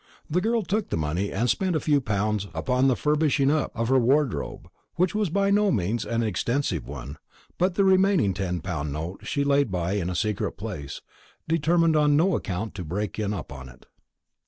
The girl took the money, and spent a few pounds upon the furbishing up of her wardrobe, which was by no means an extensive one; but the remaining ten pound note she laid by in a secret place, determined on no account to break in upon it.